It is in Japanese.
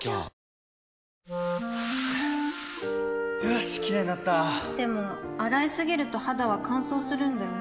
よしキレイになったでも、洗いすぎると肌は乾燥するんだよね